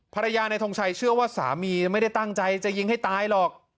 ภรรยานายทงชัยเชื่อว่าสามีไม่ได้ตั้งใจจะยิงให้ตายหรอก